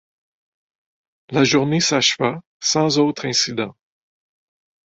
La journée s’acheva sans autre incident.